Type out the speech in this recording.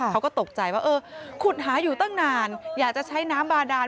เขาก็ตกใจว่าเออขุดหาอยู่ตั้งนานอยากจะใช้น้ำบาดาน